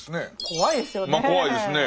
怖いですよね。